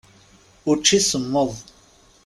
Učči semmeḍ.